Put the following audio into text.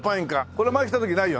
これ前来た時ないよね？